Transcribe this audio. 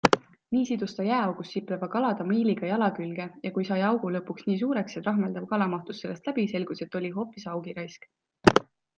Nii sidus ta jääaugus sipleva kala tamiiliga jala külge ja kui sai augu lõpuks nii suureks, et rahmeldav kala mahtus sellest läbi, selgus, et oli hoopis haugiraisk.